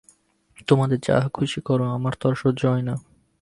তোমাদের যাহা খুশি করো, আমার তো আর সহ্য হয় না।